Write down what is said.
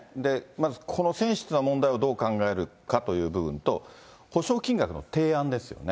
まず、このセンシティブな問題をどう考えるかという部分と、補償金額の提案ですよね。